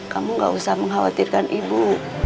kamu gak usah mengkhawatirkan ibu